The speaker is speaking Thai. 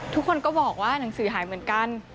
ทุกคนก็บอกว่าหนังสือหายเหมือนกัน